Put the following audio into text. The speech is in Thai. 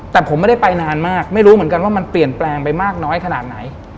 แต่ผมไม่ได้ไปนานมากไม่รู้เหมือนกันว่ามันเปลี่ยนแปลงไปมากน้อยขนาดไหน